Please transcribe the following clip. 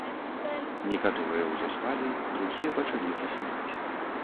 Некаторыя ўжо спалі, другія пачалі засынаць.